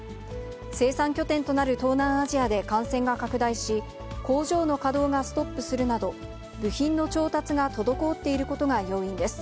生産拠点となる東南アジアで感染が拡大し、工場の稼働がストップするなど、部品の調達が滞っていることが要因です。